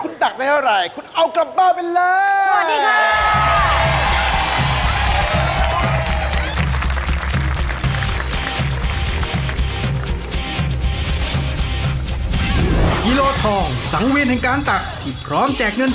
คุณตักได้เท่าไหร่คุณเอากลับบ้านไปเลย